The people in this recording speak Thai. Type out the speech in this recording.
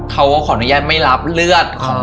เขาขออนุญาตไม่รับเลือด